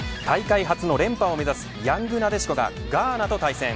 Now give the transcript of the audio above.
大会初の連覇を目指すヤングなでしこがガーナと対戦。